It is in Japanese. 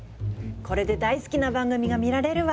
これで大好きな番組が見られるわ！